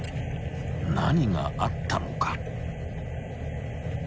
［何があったのか］